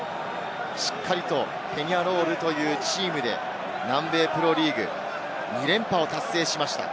しっかりとペニャロールというチームで南米プロリーグ２連覇を達成しました。